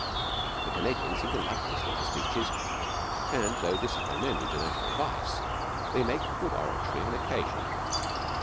The Canadians seem to like listening to speeches, and, though this is by no means a national vice, they make good oratory on occasion.